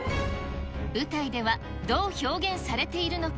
舞台ではどう表現されているのか。